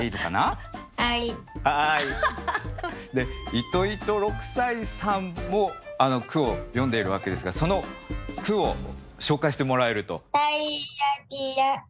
いといと六才さんも句を詠んでいるわけですがその句を紹介してもらえると。